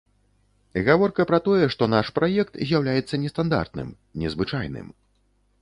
Гаворка пра тое, што наш праект з'яўляецца нестандартным, незвычайным.